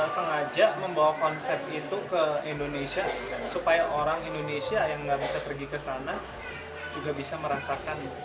sengaja membawa konsep itu ke indonesia supaya orang indonesia yang nggak bisa pergi ke sana juga bisa merasakan